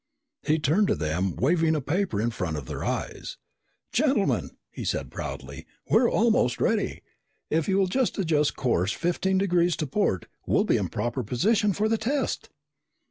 He turned to them, waving a paper in front of their eyes. "Gentlemen," he said proudly, "we are almost ready. If you will adjust course fifteen degrees to port, we'll be in proper position for the test!"